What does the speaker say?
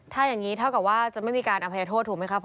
ถ้าอย่างนี้เท่ากับว่าจะไม่มีการอภัยโทษถูกไหมครับ